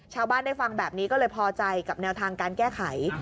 ชาวบ้านได้ฟังแบบนี้ก็เลยพอใจกับแนวทางการแก้ไข